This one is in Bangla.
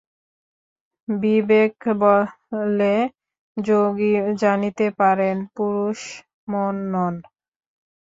বিবেকবলে যোগী জানিতে পারেন, পুরুষ মন নন।